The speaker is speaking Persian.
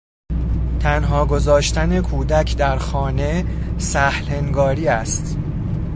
تنها گذاشتن کودک در خانه سهلانگاری است.